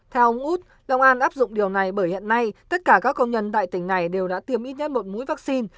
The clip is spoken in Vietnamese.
theo ông út long an áp dụng điều này bởi hiện nay tất cả các công nhân tại tỉnh này đều đã tiêm ít nhất một mũi vaccine